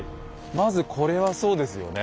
まずこれはそうですよね。